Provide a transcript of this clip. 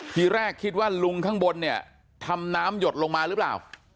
ทีแรกคิดว่าลุงข้างบนเนี่ยทำน้ำหยดลงมาหรือเปล่า